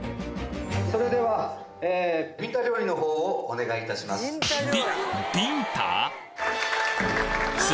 それではビンタ料理のほうをお願いいたします。